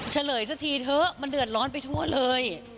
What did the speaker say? เฉลยสักทีเถอะมันเดือดร้อนไปทั่วเลย